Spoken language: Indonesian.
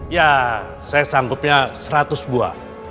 ya saya sanggupnya seratus buah